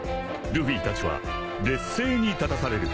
［ルフィたちは劣勢に立たされる］